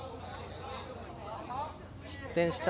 失点した